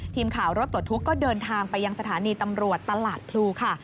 ทีมข่าวรถปลดทุกข์ก็เดินทางไปยังสถานีตำรวจตลาดพลูค่ะ